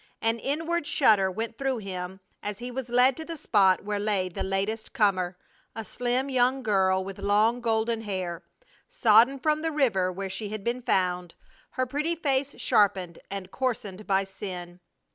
An inward shudder went through him as he was led to the spot where lay the latest comer, a slim young girl with long golden hair, sodden from the river where she had been found, her pretty face sharpened and coarsened by sin.